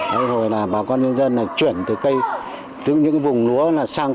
hay là bà con nhân dân chuyển từ những vùng lúa là xe